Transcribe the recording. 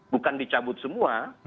bukan dicabut semua